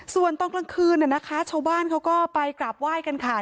ส่วนตอนกลางคืนนะคะชาวบ้านเขาก็ไปกราบไหว้กันค่ะ